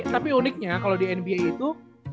tapi uniknya kalau di nba itu